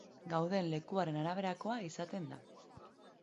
Gauden lekuaren araberakoa izaten da.